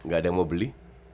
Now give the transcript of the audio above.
gak ada yang mau beli